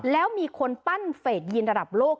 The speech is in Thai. แล้วมีคนปั้นเฟสยินระดับโลก